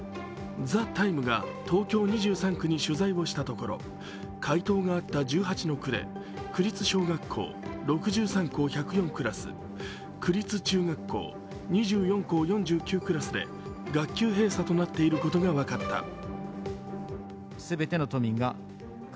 「ＴＨＥＴＩＭＥ，」が東京２３区に取材をしたところ、回答があった１８の区で区立小学校６３校１０４クラス、区立中学校２４校４９クラスで学級閉鎖となっていることが分かった。